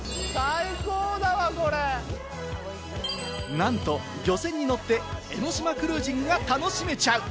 なんと漁船に乗って江の島クルージングが楽しめちゃう。